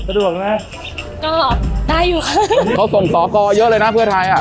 สาดุอกนะได้อยู่เขาส่งสอครอบครัวเยอะเลยนะเพื่อนไทยอ่ะ